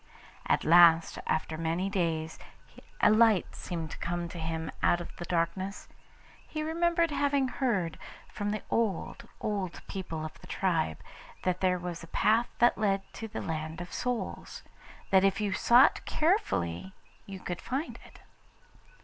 At last, after many days, a light seemed to come to him out of the darkness. He remembered having heard from the old, old people of the tribe, that there was a path that led to the Land of Souls that if you sought carefully you could find it.